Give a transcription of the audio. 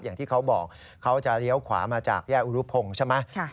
อย่างที่เขาบอกเขาจะเลี้ยวขวามาจากแยกอุรุพงศ์ใช่ไหม